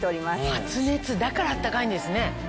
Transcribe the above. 発熱だからあったかいんですね。